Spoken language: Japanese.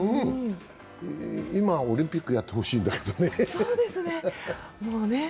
今、オリンピックやってほしいんだけどね。